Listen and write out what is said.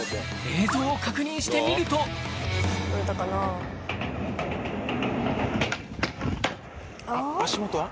映像を確認してみると足元は？